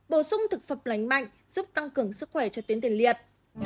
bổ sung thực phẩm lành mạnh giúp tăng cường sức khỏe cho tiến tiền liệt